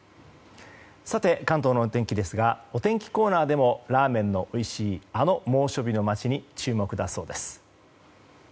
関東のお天気ですがお天気コーナーでも、ラーメンのおいしいあの猛暑日の町に注目だそうです。